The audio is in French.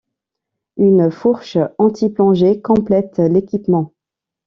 Une fourche anti-plongée complète l'équipement.